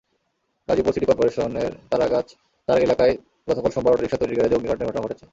Gazipur city করপোরেশনের তারগাছ এলাকায় গতকাল সোমবার অটোরিকশা তৈরির গ্যারেজে অগ্নিকাণ্ডের ঘটনা ঘটেছে।